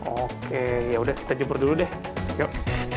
oke yaudah kita jempur dulu deh yuk